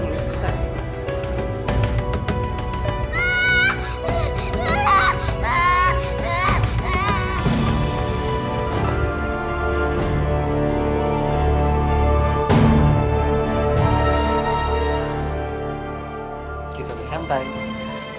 bunda gak bermaksud seperti itu sama kamu